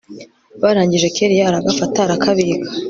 barangije kellia aragafata arakabika